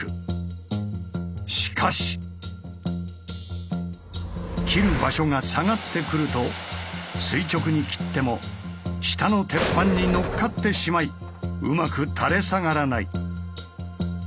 しかし切る場所が下がってくると垂直に切っても下の鉄板に載っかってしまいうまく垂れ下がらない。